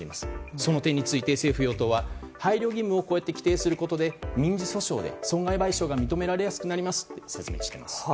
その点について政府・与党は配慮義務を規定することで民事訴訟で損害賠償が認められやすくなりますと説明しています。